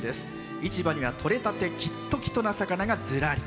市場では、取れたて「きっときと」な魚がずらり。